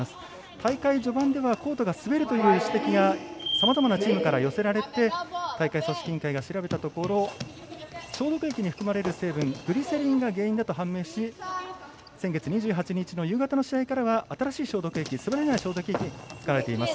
大会序盤ではコートが滑るという指摘がさまざまなチームから寄せられて大会組織委員会が調べたところ消毒液に含まれる成分のグリセリンが原因だと判明し先日から新しい消毒液が使われています。